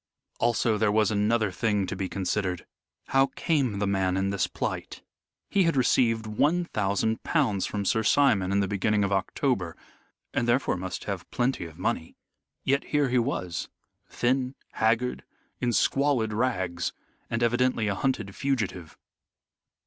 Also there was another thing to be considered. How came the man in this plight? He had received one thousand pounds from Sir Simon in the beginning of October, and therefore must have plenty of money. Yet here he was thin, haggard, in squalid rags, and evidently a hunted fugitive.